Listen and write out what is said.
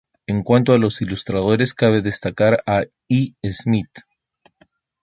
En cuanto a los ilustradores cabe destacar a I. Smith.